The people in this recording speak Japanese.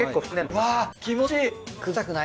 わぁ気持ちいい。